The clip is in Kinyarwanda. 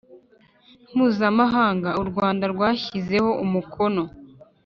Mpuzamahanga u rwanda rwashyizeho umukono